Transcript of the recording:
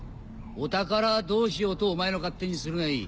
お宝はどうしようとお前の勝手にするがいい。